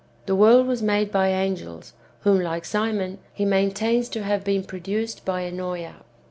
The world was made by angels, whom, like Simon, he maintains to have been produced by Ennoea.